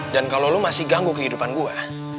dan kalau lo masih ganggu kehidupan gue